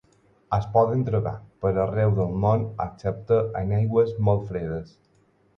Es poden trobar per arreu del món excepte en aigües molt fredes.